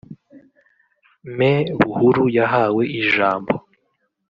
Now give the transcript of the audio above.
Me Buhuru yahawe ijambo